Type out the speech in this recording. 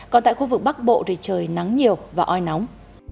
còn tại khu vực bắc bộ thì trời nắng nhiều và oi nóng